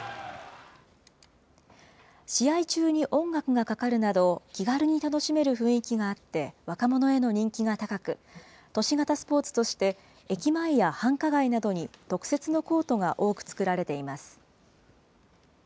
試合中に音楽がかかるなど、気軽に楽しめる雰囲気があって、若者への人気が高く、都市型スポーツとして、駅前や繁華街などに特設のコートが多く作られています。